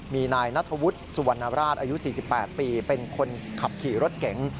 มีนายนัทวุฒิสุวรรณราชอายุ๔๘ปีเป็นคนขับขี่รถเก๋ง